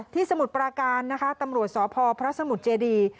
สมุทรปราการนะคะตำรวจสพพระสมุทรเจดี